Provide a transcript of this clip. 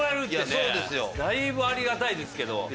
いやそうですよ。だいぶありがたいですけど。